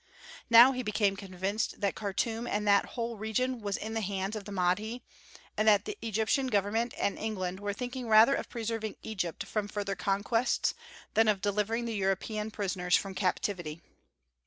Now he became convinced that Khartûm and that whole region was in the hands of the Mahdi, and that the Egyptian Government and England were thinking rather of preserving Egypt from further conquests than of delivering the European prisoners from captivity.